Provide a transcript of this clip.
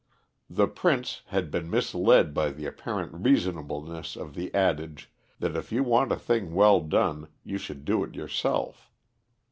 The Prince had been misled by the apparent reasonableness of the adage, that if you want a thing well done you should do it yourself.